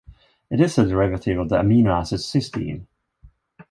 It is a derivative of the amino acid cysteine.